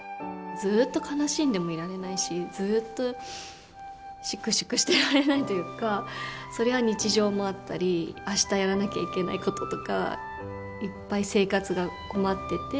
ずっと悲しんでもいられないしずっとしくしくしてられないというかそりゃ日常もあったり明日やらなきゃいけないこととかいっぱい生活が待ってて。